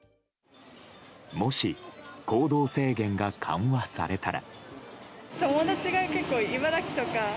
もし、行動制限が緩和されたら。